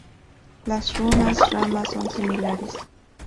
Las runas rama son similares.